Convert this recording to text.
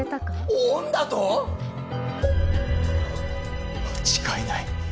間違いない。